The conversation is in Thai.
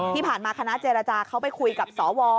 ที่ผ่านมาคณะเจรจาเข้าไปคุยกับสว